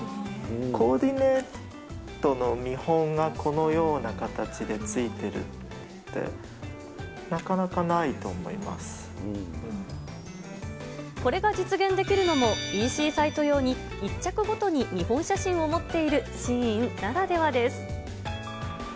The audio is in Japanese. コーディネートの見本がこのような形でついてるって、これが実現できるのも、ＥＣサイト用に、１着ごとに見本写真を持っているシーインならではです。